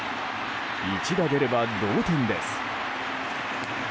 一打出れば同点です。